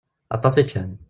Aṭas i ččan.